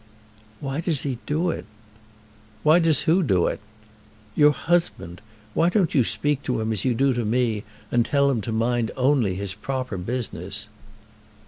"Why does he do it?" "Why does who do it?" "Your husband. Why don't you speak to him as you do to me, and tell him to mind only his proper business?"